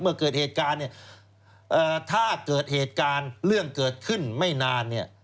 เกิดเหตุการณ์เนี่ยถ้าเกิดเหตุการณ์เรื่องเกิดขึ้นไม่นานเนี่ย